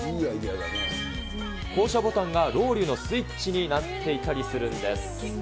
降車ボタンがロウリュウのスイッチになっていたりするんです。